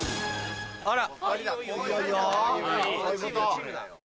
あら。